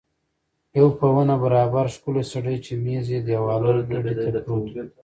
یو په ونه برابر ښکلی سړی چې مېز یې دېواله ډډې ته پروت و.